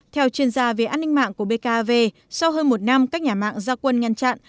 theo chuyên gia về an ninh mạng của bkv sau hơn một năm các nhà mạng gia quân ngăn chặn